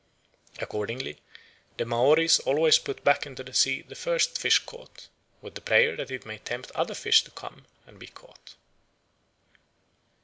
Accordingly the Maoris always put back into the sea the first fish caught, "with a prayer that it may tempt other fish to come and be caught."